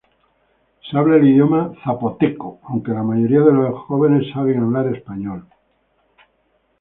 Se habla el idioma Zapoteco, aunque la mayoría de los jóvenes saben hablar español.